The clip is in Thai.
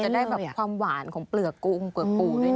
เธอจะได้ความหวานของปลือกปูด้วยนะ